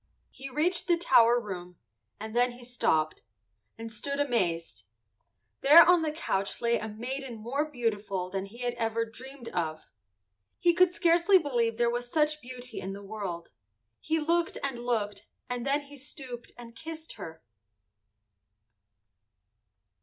He reached the tower room, and then he stopped, and stood amazed. There on the couch lay a maiden more beautiful than he had ever dreamed of. He could scarcely believe there was such beauty in the world. He looked and looked and then he stooped and kissed her.